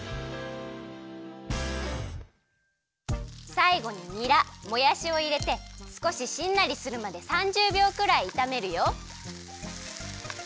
さいごににらもやしをいれてすこししんなりするまで３０びょうくらいいためるよ。